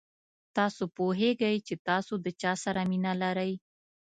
تاسو پوهېږئ چې تاسو د چا سره مینه لرئ.